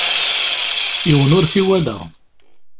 Yiwen ur t-iwala.